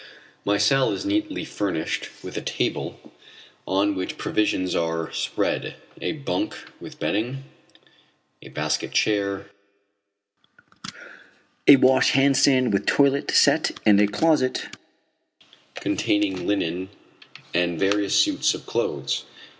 My cell is neatly furnished with a table on which provisions are spread, a bunk with bedding, a basket chair, a wash hand stand with toilet set, and a closet containing linen and various suits of clothes.